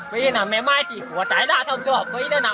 ก็น่ะแม่งไม้ที่หัวใจด้าทำซอบก็น่ะน่ะออก